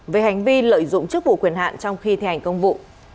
về hành vi lợi dụng chức vụ quyền hạn trong khi thi hành công vụ